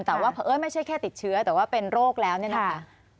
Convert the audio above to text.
แต่ว่าไม่ใช่แค่ติดเชื้อแต่ว่าเป็นโรคแล้วนี่นะคะ